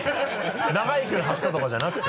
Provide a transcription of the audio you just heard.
長い距離走ったとかじゃなくて？